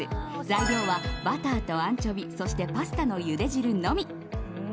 材料はバターとアンチョビそして、パスタのゆで汁のみ。